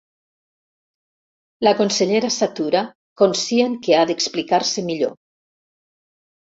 La consellera s'atura, conscient que ha d'explicar-se millor.